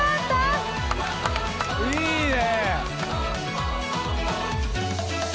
いいねぇ！